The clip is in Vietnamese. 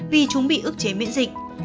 vì chúng bị ức chế miễn dịch